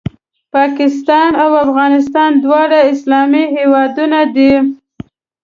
پاکستان او افغانستان دواړه اسلامي هېوادونه دي